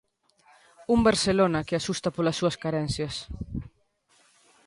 Un Barcelona que asusta polas súas carencias.